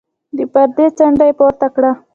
د پردې څنډه يې پورته کړه.